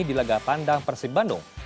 di laga pandang persib bandung